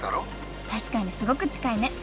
確かにすごく近いね！